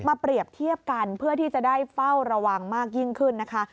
เปรียบเทียบกันเพื่อที่จะได้เฝ้าระวังมากยิ่งขึ้นนะคะ